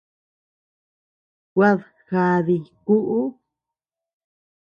Kuad jaadii kuʼu.